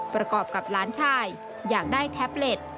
ประกอบกับหลานชายอยากได้แท็บเล็ต